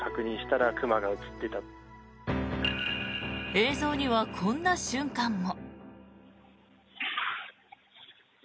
映像にはこんな瞬間も。